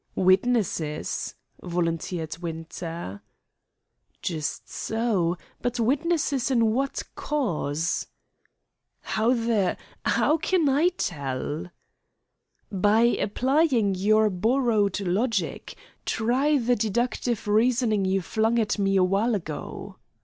"Witnesses," volunteered Winter. "Just so; but witnesses in what cause?" "How the how can I tell?" "By applying your borrowed logic. Try the deductive reasoning you flung at me a while ago."